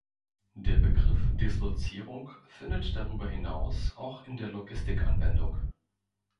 Der Begriff Dislozierung findet darüber hinaus auch in der Logistik Anwendung.